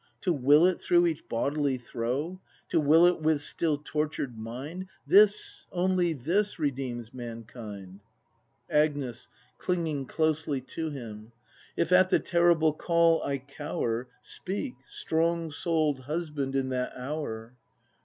To will it through each bodily throe, To will it with still tortured mind. This, only this, redeems mankind. Agnes. [Clinging closely to him.] If at the terrible call I cower. Speak, strong soul'd husband, in that hour!